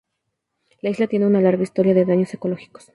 La isla tiene una larga historia de daños ecológicos.